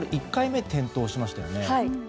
１回目転倒しましたよね。